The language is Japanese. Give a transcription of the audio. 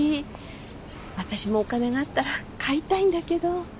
私もお金があったら買いたいんだけど。